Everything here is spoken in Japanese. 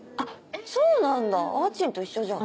そうなんだあーちんと一緒じゃん。